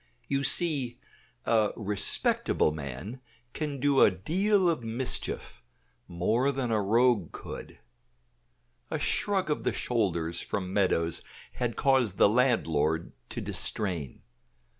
You see, a respectable man can do a deal of mischief; more than a rogue could. A shrug of the shoulders from Meadows had caused the landlord to distrain.